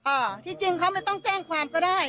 อ่าที่จริงเขาไม่ต้องแจ้งความก็ได้